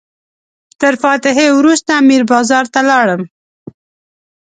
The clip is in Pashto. تر فاتحې وروسته میر بازار ته لاړم.